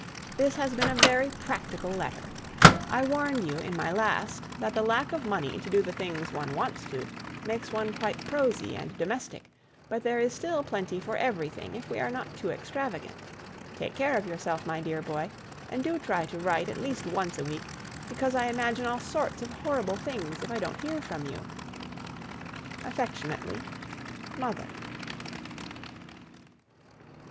"This has been a very practical letter. I warned you in my last that the lack of money to do the things one wants to makes one quite prosy and domestic, but there is still plenty for everything if we are not too extravagant. Take care of yourself, my dear boy, and do try to write at least once a week, because I imagine all sorts of horrible things if I don't hear from you. Affectionately, MOTHER."